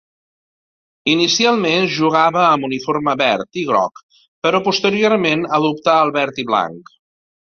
Inicialment jugava amb uniforme verd i groc, però posteriorment adoptà el verd i blanc.